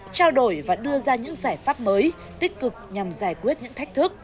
trao đổi và đưa ra những giải pháp mới tích cực nhằm giải quyết những thách thức